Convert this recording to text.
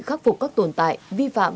khắc phục các tồn tại vi phạm